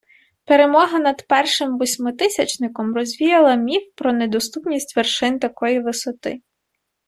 Перемога над першим восьмитисячником розвіяла міф про недоступність вершин такої висоти.